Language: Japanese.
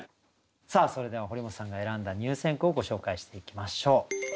さあそれでは堀本さんが選んだ入選句をご紹介していきましょう。